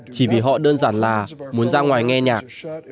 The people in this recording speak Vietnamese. chỉ vì họ đơn giản là muốn ra ngoài nghe nhạc